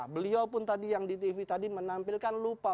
beliau pun tadi yang di tv tadi menampilkan lupa